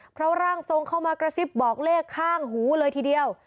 เพราะร่างทรงเข้ามากระซิบบอกเลขข้างหูเลยทีเดียว